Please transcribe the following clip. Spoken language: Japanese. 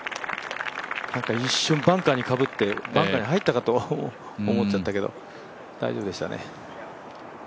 一瞬、バンカーにかぶってバンカーに入っちゃったかと思ったけど大丈夫でしたね。